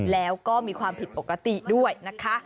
แล้วก็มีความผิดปกติด้วยนะคะ